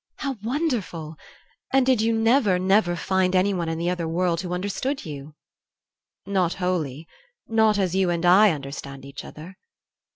"How wonderful! And did you never, never find anyone in the other world who understood you?" "Not wholly not as you and I understand each other."